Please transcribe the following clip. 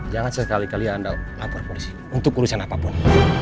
jangan sekali kali anda lapor polisi untuk urusan apapun